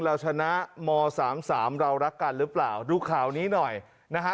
เราชนะม๓๓เรารักกันหรือเปล่าดูข่าวนี้หน่อยนะฮะ